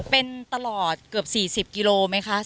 เป็นตลอดเกือบ๔๐กิโลไหมคะ